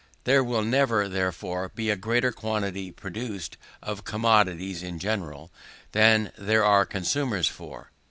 There will never, therefore, be a greater quantity produced, of commodities in general, than there are consumers for.